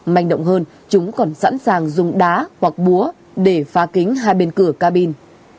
manh động hơn chúng còn sẵn sàng dùng đá hoặc búa để phá kính hai bên cửa cabin